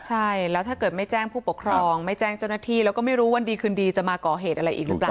ใช่แล้วถ้าเกิดไม่แจ้งผู้ปกครองไม่แจ้งเจ้าหน้าที่แล้วก็ไม่รู้วันดีคืนดีจะมาก่อเหตุอะไรอีกหรือเปล่า